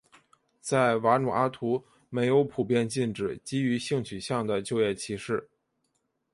在瓦努阿图没有普遍禁止基于性取向的就业歧视。